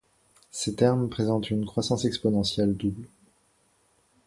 Ses termes présentent une croissance exponentielle double.